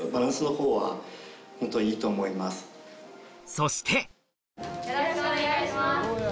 そしてよろしくお願いします。